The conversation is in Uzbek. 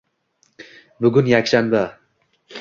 Bugun yakshanba.